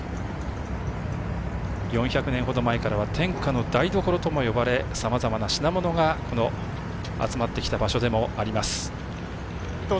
４００年ほど前からは天下の台所とも呼ばれさまざまな品物が集まってきた場所でもあります。